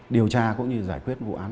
điều tra cũng như giải quyết vụ án